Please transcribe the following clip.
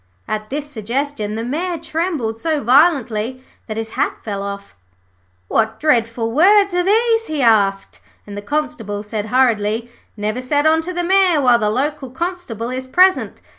At this suggestion the Mayor trembled so violently that his hat fell off. 'What dreadful words are these?' he asked, and the Constable said hurriedly, 'Never set on to the Mayor while the local Constable is present.